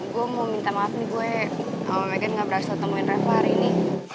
gue mau minta maaf nih gue sama meghan gak berhasil temuin reva hari ini